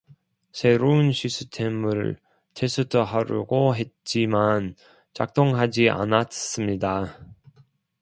새로운 시스템을 테스트하려고 했지만 작동하지 않았습니다.